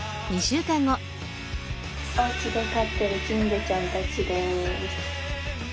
おうちで飼っている金魚ちゃんたちです。